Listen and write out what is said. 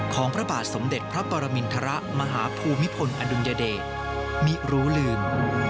พระบาทสมเด็จพระปรมินทรมาหาภูมิพลอดุลยเดชมิรู้ลืม